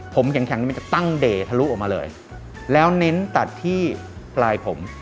ผมแข็งนี่มันจะตั้งเด่ทะลุออกมาเลยแล้วเน้นตัดที่ปลายผม